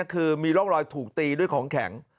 คือมีร่องรอยถูกตีด้วยของแข็ง